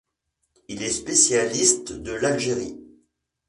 Il est spécialiste de l'Algérie.